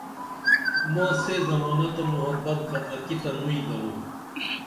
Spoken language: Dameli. ماں سے زمانہ تہ محبت بہ اکی تنوئی درو